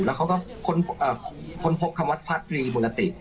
แล้วเขาก็ค้นพบคำวัดพระตรีมุนติ